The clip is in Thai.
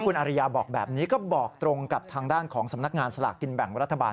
คุณอาริยาบอกแบบนี้ก็บอกตรงกับทางด้านของสำนักงานสลากกินแบ่งรัฐบาล